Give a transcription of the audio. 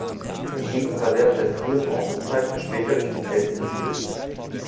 Die Gegend war während der frühen Bronzezeit und später durch die Kelten besiedelt.